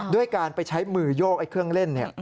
ด้วยการไปใช้มือโยกไอ้เครื่องเล่น